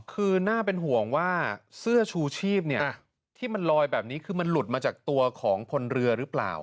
คือน่าเป็นห่วงว่าเสื้อชูชีพที่มันลอยแบบนี้คือมันหลุดมาจากตัวของพลเรือหรือเปล่า